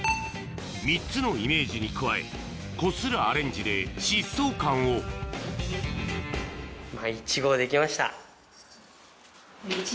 ３つのイメージに加えこするアレンジで疾走感を１号できました。